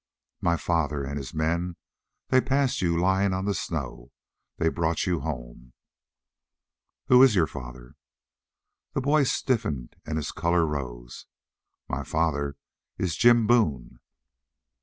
"My father and his men. They passed you lying on the snow. They brought you home." "Who is your father?" The boy stiffened and his color rose. "My father is Jim Boone."